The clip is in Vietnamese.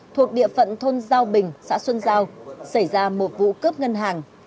thuộc địa phận thôn giao bình xã xuân giao xảy ra một vụ cướp ngân hàng